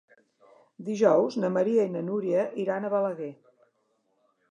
Dijous na Maria i na Núria iran a Balaguer.